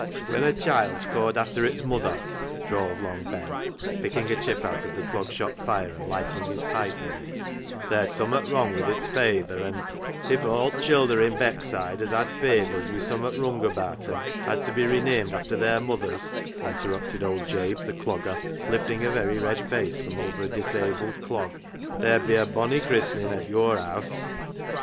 " When a child's cawd after its muther," drawled Long Ben, picking a chip out of the Clog Shop fire and lighting his pipe with it, " there's summat wrong wi' its fayther and "— 11 12 CLOG SHOP CHRONICLES " If all t' childer i' Beckside as had faythers wi' summat wrung abaat 'em had to be renamed after their muthers," interrupted old Jabe the dogger, lifting a very red face from over a dis abled clog, " there'd be a bonny christenin' at yo'r haase."